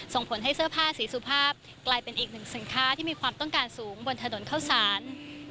ส่งผลให้เสื้อผ้าสีสุภาพกลายเป็นอีกหนึ่งสินค้าที่มีความต้องการสูงบนถนนเข้าสาร